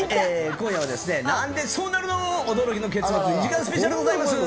今夜は何でそうなるの驚きの結末２時間スペシャルございます。